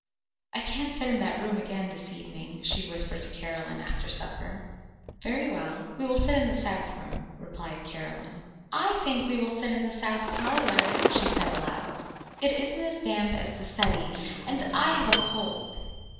"I can't sit in that room again this evening," she whispered to Caroline after supper. "Very well, we will sit in the south room," replied Caroline. "I think we will sit in the south parlour," she said aloud; "it isn't as damp as the study, and I have a cold."